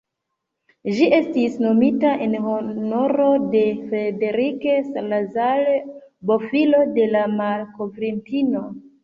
Ĝi estis nomita en honoro de "Frederick Salazar", bofilo de la malkovrintino.